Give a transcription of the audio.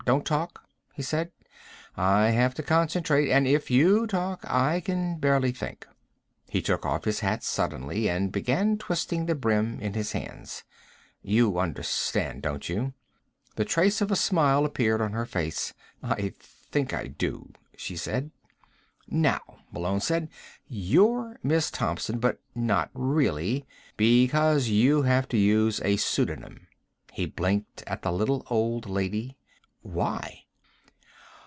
"Don't talk," he said. "I have to concentrate and if you talk I can barely think." He took off his hat suddenly, and began twisting the brim in his hands. "You understand, don't you?" The trace of a smile appeared on her face. "I think I do," she said. "Now," Malone said, "you're Miss Thompson, but not really, because you have to use a pseudonym." He blinked at the little old lady. "Why?"